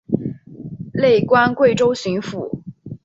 累官贵州巡抚。